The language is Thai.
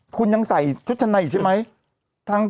คุณยังใส่ชุดชัดในใช่ไหม